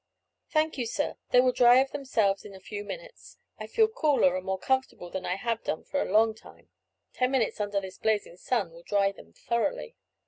"Thank you, sir; they will dry of themselves in a very few minutes. I feel cooler and more comfortable than I have done for a long time; ten minutes under this blazing sun will dry them thoroughly."